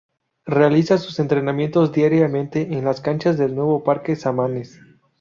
Realiza sus entrenamientos diariamente en las canchas del nuevo parque Samanes.